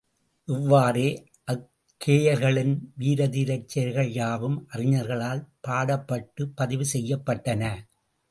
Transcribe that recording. இவ்வாறே அக்கேயர்களின் வீரதீரச்செயல்கள்யாவும் அறிஞர்களால் பாடப்பட்டுப் பதிவு செய்யப்பட்டன.